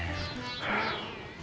kenapa musisi anak funky nya mengatakan apa